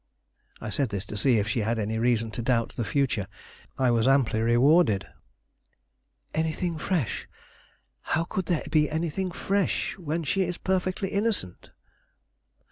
I said this to see if she had any reason to doubt the future. I was amply rewarded. "Anything fresh? How could there be anything fresh, when she is perfectly innocent?"